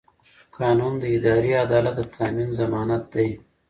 قانون د اداري عدالت د تامین ضمانت دی.